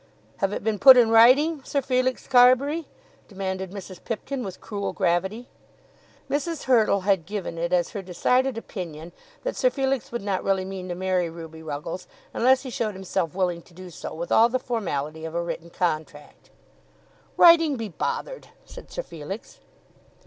"Have it been put in writing, Sir Felix Carbury?" demanded Mrs. Pipkin with cruel gravity. Mrs. Hurtle had given it as her decided opinion that Sir Felix would not really mean to marry Ruby Ruggles unless he showed himself willing to do so with all the formality of a written contract. "Writing be bothered," said Sir Felix.